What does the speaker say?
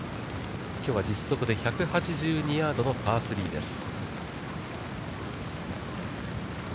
きょうは実測で１８２ヤードのパー３です。